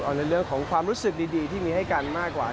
เอาในเรื่องของความรู้สึกดีที่มีให้กันมากกว่า